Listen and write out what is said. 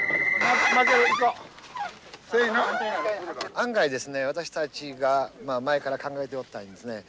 案外ですね私たちが前から考えておったですね